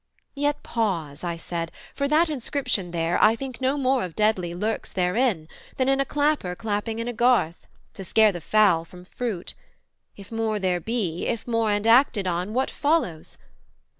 'Yet pause,' I said: 'for that inscription there, I think no more of deadly lurks therein, Than in a clapper clapping in a garth, To scare the fowl from fruit: if more there be, If more and acted on, what follows?